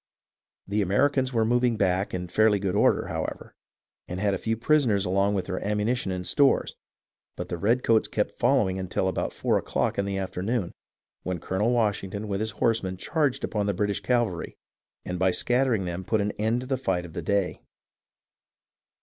The Americans were moving back in fairly good order, however, and had a few prisoners along with their ammu nition and stores, but the redcoats kept following until about four o'clock in the afternoon, when Colonel Wash ington with his horsemen charged upon the British cav alry, and by scattering them put an end to the fight of the day.